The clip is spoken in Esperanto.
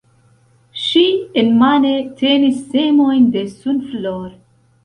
Ŝi enmane tenis semojn de sunflor.